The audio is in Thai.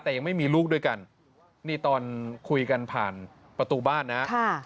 แต่ยังไม่มีลูกด้วยกันนี่ตอนคุยกันผ่านประตูบ้านนะ